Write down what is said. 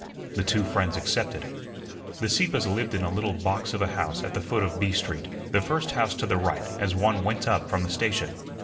The two friends accepted. The Sieppes lived in a little box of a house at the foot of B Street, the first house to the right as one went up from the station.